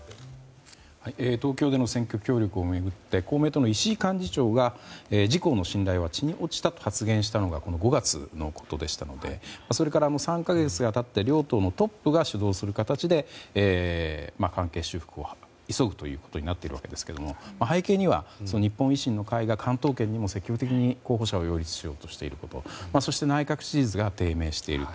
東京での選挙協力を巡って公明党の石井幹事長が自公の信頼は地に落ちたと発言したのが５月のことでしたのでそれから３か月が経って両党のトップが主導する形で関係修復を急ぐということになっているわけですが背景には、日本維新の会が関東圏にも積極的に候補者を擁立しようとしていることそして内閣支持率が低迷していると。